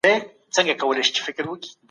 روښانه فکر کرکه نه جوړوي.